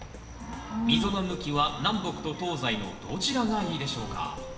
溝の向きは南北と東西のどちらがいいでしょうか？